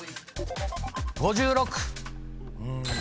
５６。